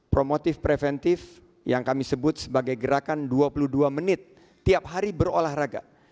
promotif preventif yang kami sebut sebagai gerakan dua puluh dua menit tiap hari berolahraga